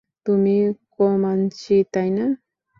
তুমি কোমাঞ্চি, তাই না?